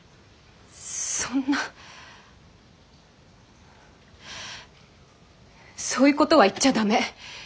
そんなそういうことは言っちゃ駄目。